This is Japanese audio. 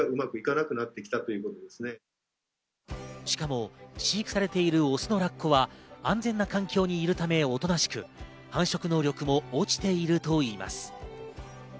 しかも、飼育されているオスのラッコは安全な環境にいるためおとなしく、繁殖能力も落ちているといいます。